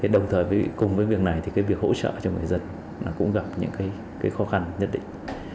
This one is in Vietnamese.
đồng thời cùng với việc này việc hỗ trợ cho người dân cũng gặp những khó khăn nhất định